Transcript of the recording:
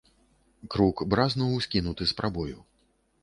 Крук бразнуў, скінуты з прабою.